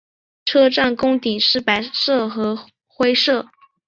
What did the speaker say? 车站拱顶是白色和灰色。